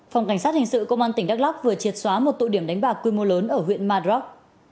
phòng cảnh sát hình sự công an tỉnh đắk lóc vừa triệt xóa một tụ điểm đánh bạc quy mô lớn ở huyện madrock